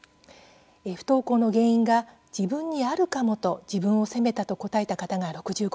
不登校の原因が自分にあるかもと自分を責めたと答えた方が６５％